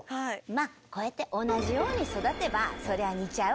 まあこうやって同じように育てばそりゃ似ちゃうわよ。